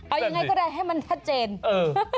เอายังไงก็ได้ให้มันชัดเจนเออ